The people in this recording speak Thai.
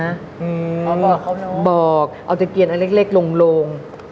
บอกเขาน้องบอกเอาตะเกียนอันเล็กลง